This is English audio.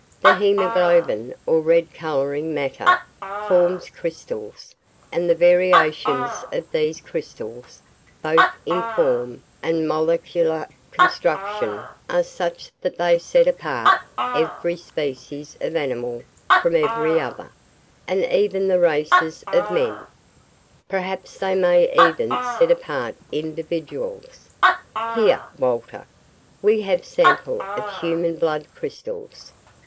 The hemoglobin or red coloring matter forms crystals and the variations of these crystals both in form and molecular construction are such that they set apart every species of animal from every other, and even the races of men perhaps may even set apart individuals. Here, Walter, we have sample of human blood crystals."